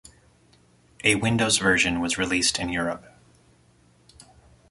A Windows version was released in Europe.